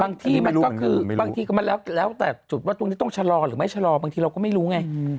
บางทีมันก็คือแล้วแต่จุดว่าตรงนี้ต้องชะลอหรือไม่ชะลอบางทีเราก็ไม่รู้ไง